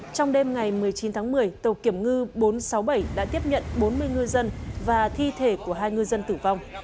trong đêm ngày một mươi chín tháng một mươi tàu kiểm ngư bốn trăm sáu mươi bảy đã tiếp nhận bốn mươi ngư dân và thi thể của hai ngư dân tử vong